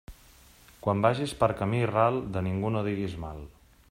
Quan vagis per camí ral, de ningú no diguis mal.